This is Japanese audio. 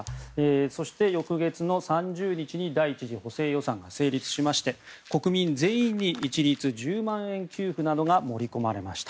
そして、翌月の３０日に第１次補正予算が成立しまして国民全員に一律１０万円給付などが盛り込まれました。